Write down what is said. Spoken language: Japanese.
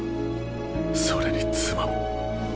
それに妻も。